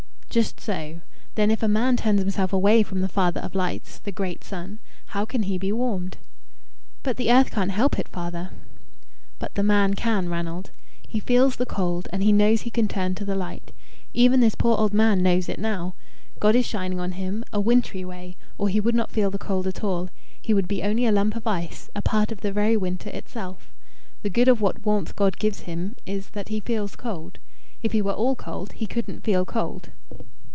"Just so. Then if a man turns himself away from the Father of Lights the great Sun how can he be warmed?" "But the earth can't help it, father." "But the man can, Ranald. He feels the cold, and he knows he can turn to the light. Even this poor old man knows it now. God is shining on him a wintry way or he would not feel the cold at all; he would be only a lump of ice, a part of the very winter itself. The good of what warmth God gives him is, that he feels cold. If he were all cold, he couldn't feel cold."